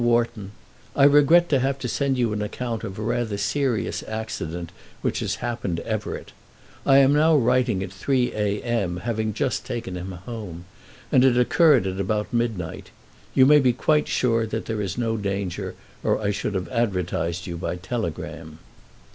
WHARTON, I regret to have to send you an account of a rather serious accident which has happened to Everett. I am now writing at 3 A.M., having just taken him home, and it occurred at about midnight. You may be quite sure that there is no danger or I should have advertised you by telegram.